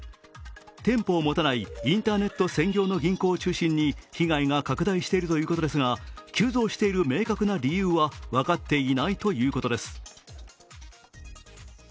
店舗を持たないインターネット専業の銀行を中心に被害が拡大しているということですが急増している明確な理由は分かっていないということです。